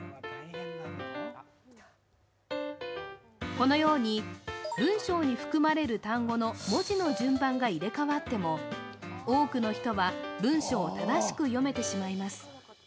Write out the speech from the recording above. このように文章に含まれる単語の文字の順番が入れ代わっても多くの人は文章を正しく読めてしまいます。